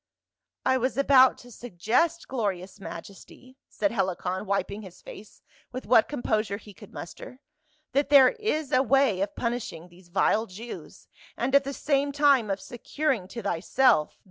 "I was about to suggest, glorious majesty," said Helicon wiping his face with what composure he could muster, " that there is a way of punishing these vile Jews and at the same time of securing to thyself the 158 PAUL.